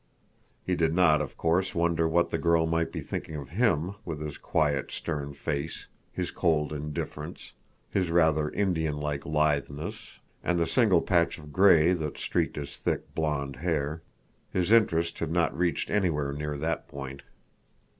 He did not, of course, wonder what the girl might be thinking of him—with his quiet, stern face, his cold indifference, his rather Indian like litheness, and the single patch of gray that streaked his thick, blond hair. His interest had not reached anywhere near that point.